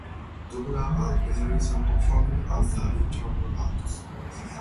Dora and Elisa performed as the interval acts.